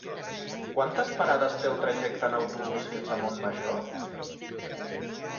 Quantes parades té el trajecte en autobús fins a Montmajor?